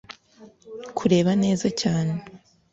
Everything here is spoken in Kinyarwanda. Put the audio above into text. kureba neza cyane